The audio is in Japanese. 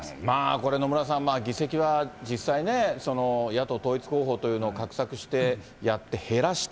これ、野村さん、議席は実際ね、野党統一候補というのを画策してやって、減らした。